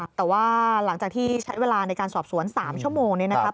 แต่ว่าหลังจากที่ใช้เวลาในการสอบสวน๓ชั่วโมงนี้นะครับ